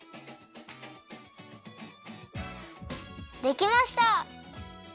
できました！